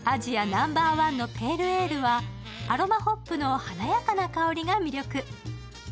ナンバーワンのペールエールはアロマホップの華やかな香りが魅力。